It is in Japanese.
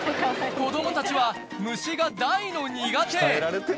子どもたちは虫が大の苦手。